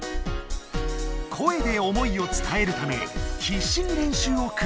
「声で思いを伝える」ためひっしに練習をくりかえす。